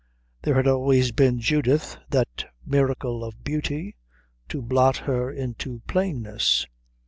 There had always been Judith, that miracle of beauty, to blot her into plainness.